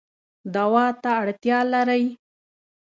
دوا ته اړتیا لرئ